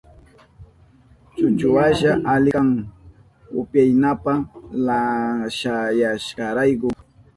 Chuchuwasha ali kan upyanapa llashayashkarayku.